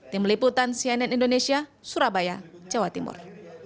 tim liputan cnn indonesia surabaya jawa timur